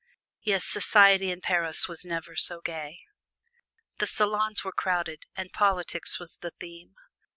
Yes, society in Paris was never so gay. The salons were crowded, and politics was the theme.